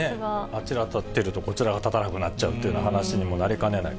あちら立てるとこちらが立たなくなっちゃうという話にもなりかねない。